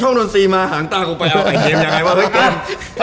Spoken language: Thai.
ช่องโดนซีมาหางตากูไปเอาไข่เกมยังไงวะ